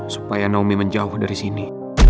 supaya naomi menjauh dari sini